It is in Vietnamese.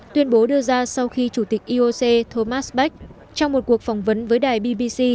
tuyên bố đưa ra sau khi chủ tịch ioc thomas bach trong một cuộc phỏng vấn với đài bbc